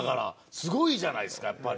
すごいじゃないですかやっぱり。